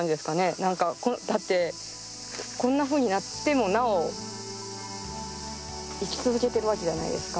何かだってこんなふうになってもなお生き続けてるわけじゃないですか。